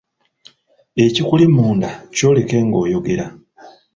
Ekikuli munda kyoleke ng'oyogera.